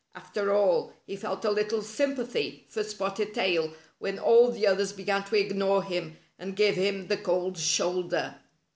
After all, he felt a little sympathy for Spotted Tail when all the others began to ignore him and give him the cold shoul der.